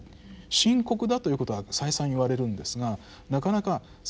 深刻だということは再三言われるんですがなかなかされない。